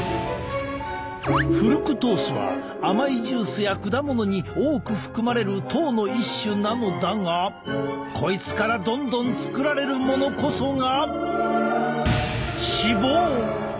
フルクトースは甘いジュースや果物に多く含まれる糖の一種なのだがこいつからどんどん作られるものこそが。